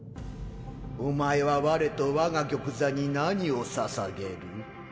お前は我と我が玉座に何をささげる？